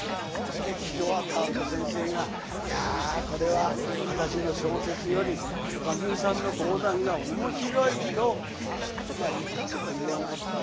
で聞き終わったあと先生が「いやこれは私の小説より馬琴さんの講談が面白い」と言ったとか言わないとか。